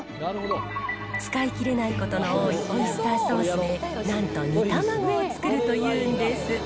使いきれないことの多いオイスターソースで、なんと煮卵を作るというんです。